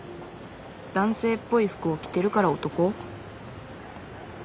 男性っぽい服を着てるから男？